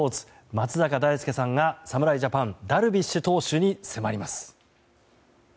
松坂大輔さんが侍ジャパンダルビッシュ投手に迫ります。